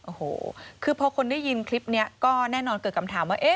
โอ้โหคือพอคนได้ยินคลิปนี้ก็แน่นอนเกิดคำถามว่า